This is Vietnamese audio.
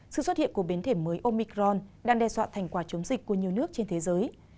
sự xuất hiện của biến thể mới omicron đang đe dọa thành quả chống dịch của nhiều nước trên thế giới